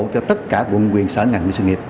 cho tất cả vùng viện sở ngành và sự nghiệp